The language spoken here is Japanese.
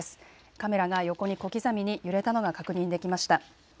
カメラが横に小刻みに揺れたのが確認できました。